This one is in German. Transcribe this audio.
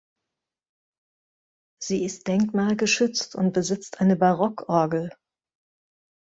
Sie ist denkmalgeschützt und besitzt eine Barockorgel.